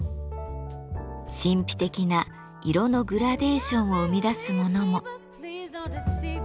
神秘的な色のグラデーションを生み出すものも。